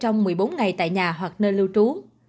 trong một mươi bốn ngày tại nhà hoặc nơi lưu trú